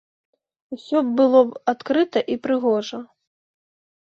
Усё было б адкрыта і прыгожа!